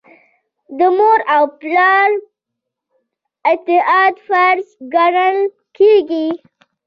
د مور او پلار اطاعت فرض ګڼل کیږي.